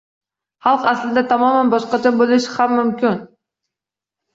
Xalq aslida tamoman boshqacha boʻlishi ham mumkin.